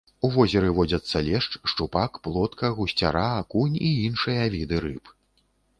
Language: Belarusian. У возеры водзяцца лешч, шчупак, плотка, гусцяра, акунь і іншыя віды рыб.